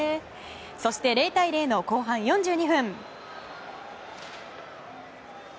そして、０対０の後半４２分。